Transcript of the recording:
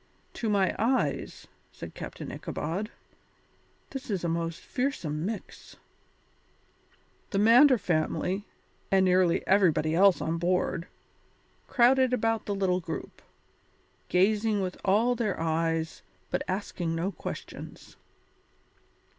"To my eyes," said Captain Ichabod, "this is a most fearsome mix." The Mander family, and nearly everybody else on board, crowded about the little group, gazing with all their eyes but asking no questions.